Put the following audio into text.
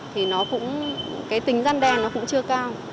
thì nó cũng cái tính tăng đê nó cũng chưa cao